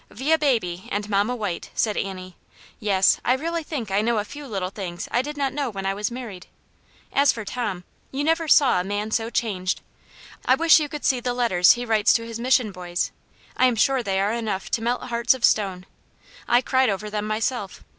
" Vid baby and mamma White," said Annie. " Yes, I really think I know a few little things I did not know when I was married. As for Tom, you never saw a man so changed. I wish you could see the 222 Aunt Jane's Hero. letters he writes to his mission boys ; I am sure fhey are enough to melt hearts of stone. I cried over them myself.